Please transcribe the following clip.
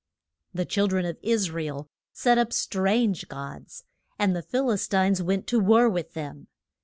The chil dren of Is ra el set up strange gods, and the Phil is tines went to war with them.